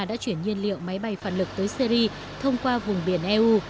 đã chuyển nhiên liệu máy bay phản lực tới syri thông qua vùng biển eu